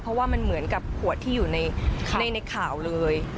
เพราะว่ามันเหมือนกับขวดที่อยู่ในข่าวเลย